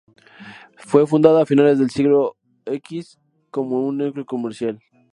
Fue fundada a finales del siglo X como un núcleo comercial.